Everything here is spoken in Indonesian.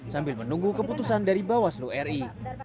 sambil menunggu keputusan dari bawaslu ri